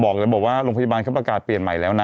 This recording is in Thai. บอกว่าโรงพยาบาลเขาประกาศเปลี่ยนใหม่แล้วนะ